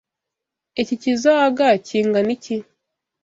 Iki kizoaga kingana iki?